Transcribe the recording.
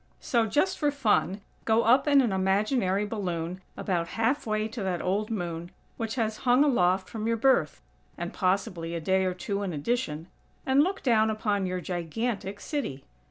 So, just for fun, go up in an imaginary balloon, about half way to that old Moon, which has hung aloft from your birth (and possibly a day or two in addition) and look down upon your "gigantic" city.